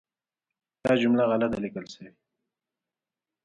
ننوزي یې په غار کې ګیدړ او پيشو.